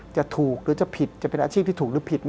จะถูกหรือจะผิดจะเป็นอาชีพที่ถูกหรือผิด